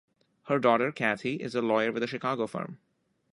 Her daughter, Kathy, is a lawyer with a Chicago firm.